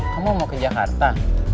kamu mau ke jakarta